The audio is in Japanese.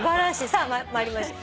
さあ参りましょう。